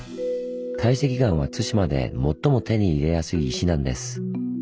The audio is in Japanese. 堆積岩は対馬で最も手に入れやすい石なんです。